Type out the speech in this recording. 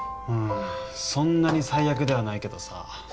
うんそんなに最悪ではないけどさ